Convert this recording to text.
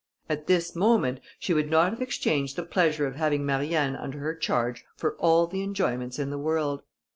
At this moment, she would not have exchanged the pleasure of having Marianne under her charge for all the enjoyments in the world.